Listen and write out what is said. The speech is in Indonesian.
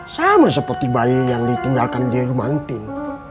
sama seperti bayi yang ditinggalkan di rumahnting